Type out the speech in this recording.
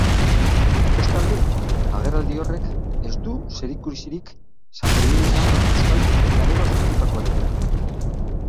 Bestalde, agerraldi horrek ez du zerikusirik sanferminetan bazkaldu eta gero sortutakoarekin.